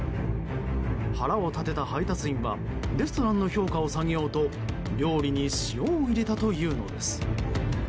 腹を立てた配達員はレストランの評価を下げようと料理に塩を入れたというのです。